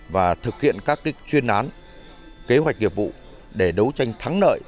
và thực hiện các chuyên án kế hoạch nghiệp vụ để đấu tranh thắng lợi